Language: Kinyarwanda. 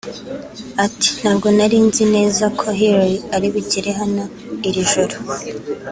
Ati “Ntabwo nari nzi neza ko Hillary ari bugere hano iri joro